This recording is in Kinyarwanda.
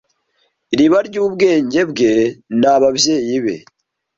iriba ryubwenge bwe ni ababyeyi be